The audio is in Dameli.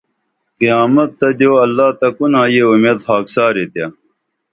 قیامت تہ دیو اللہ تہ کُنا یہ اُمید خاکسار تیہ